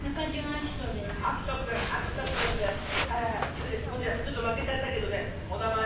そしてこちらちょっとまけちゃったけどねおなまえは？